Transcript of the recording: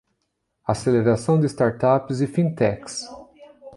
Aceleração de startups e fintechs